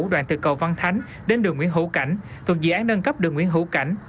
đoàn từ cầu văn thánh đến đường nguyễn hồ cảnh thuộc dự án nâng cấp đường nguyễn hồ cảnh